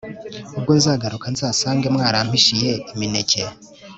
ubwo nzagaruka nzasange mwarampishiye imineke